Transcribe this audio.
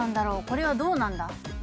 これはどうなんだ？